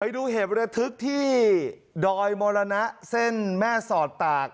ไปดูเหตุประเทศทิกที่ดอยมอลานะเส้นแม่สอดตาก